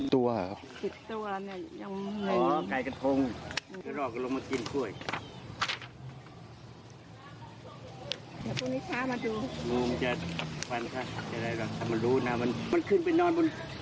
ตัวเหรอ